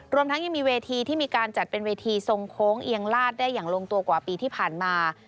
รวมทั้งยังมีเวทีที่มีการจัดเป็นเวทีทรงโค้งเอียงลาดได้อย่างลงตัวกว่าปีที่ผ่านมา